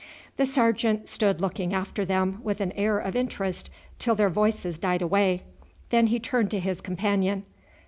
The sergeant stood looking after them with an air of interest till their voices died away. Then he turned to his companion.